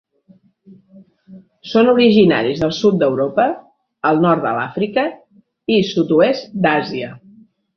Són originaris del sud d'Europa, el nord de l'Àfrica i sud-oest d'Àsia.